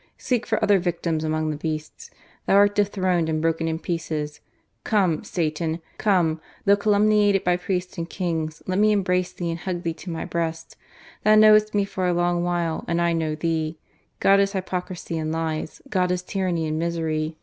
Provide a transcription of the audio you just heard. Seek for other victims among the beasts ! Thou art dethroned and broken in pieces. ... Come, Satan ! come, though calumniated by priests and kings, let me embrace thee and hug thee to my breast. Thou knowest me for a long while and I know thee. ... God is hypocrisy and lies, God is tyranny and misery.